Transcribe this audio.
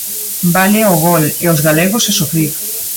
Vale o gol e os galegos a sufrir.